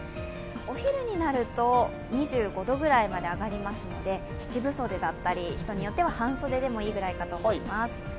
お昼になると２５度くらいまで上がりますので七分袖だったり、人によっては半袖でもいいかもしれません。